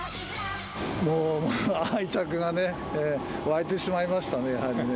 もう愛着がね、湧いてしまいましたね、やはりね。